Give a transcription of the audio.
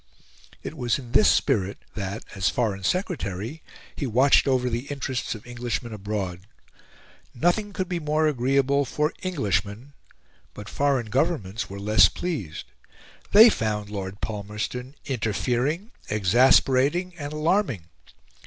It was in this spirit that, as Foreign Secretary, he watched over the interests of Englishmen abroad. Nothing could be more agreeable for Englishmen; but foreign governments were less pleased. They found Lord Palmerston interfering, exasperating, and alarming.